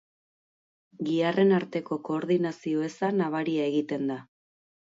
Giharren arteko koordinazio eza nabaria egiten da.